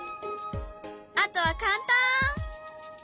あとは簡単！